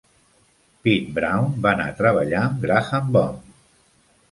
Pete Brown va anar a treballar amb Graham Bond.